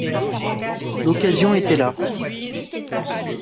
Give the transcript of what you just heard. L’occasion était là.